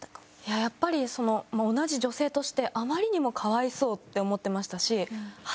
やっぱり同じ女性としてあまりにも可哀想って思ってましたし。